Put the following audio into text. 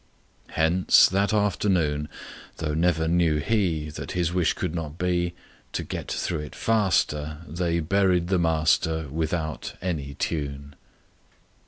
Hence, that afternoon, Though never knew he That his wish could not be, To get through it faster They buried the master Without any tune.